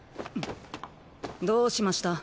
どうしました？